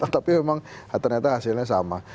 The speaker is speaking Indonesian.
tapi memang ternyata hasilnya sama